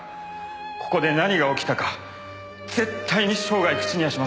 ここで何が起きたか絶対に生涯口にはしません。